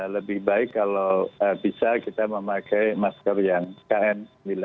lebih baik kalau bisa kita memakai masker yang kn sembilan